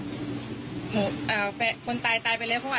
ถ้าเกิดว่าเขาชู้สาวกันอ่ะแต่นี่แฟนผู้ตายเขาไม่มีใหม่แล้วไง